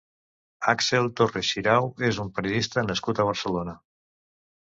Àxel Torres Xirau és un periodista nascut a Barcelona.